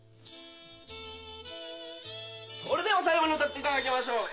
それでは最後に歌っていただきましょう。